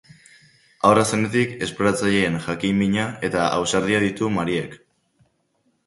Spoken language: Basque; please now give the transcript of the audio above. Haurra zenetik, esploratzaileen jakin-mina eta ausardia ditu Mariek.